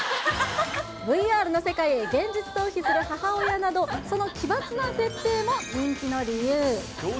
ＶＲの世界へ現実逃避する母親など、その奇抜な設定も人気の理由。